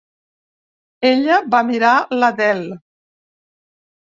Ella va mirar l'Adele.